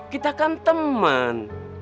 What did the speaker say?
kita kan temen